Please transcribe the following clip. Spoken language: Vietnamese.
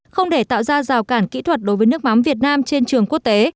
không để tạo ra rào cản kỹ thuật đối với nước mắm việt nam trên trường quốc tế